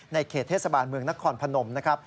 เขตเทศบาลเมืองนครพนมนะครับ